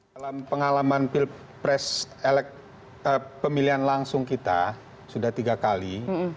dalam pengalaman pilpres pemilihan langsung kita sudah tiga kali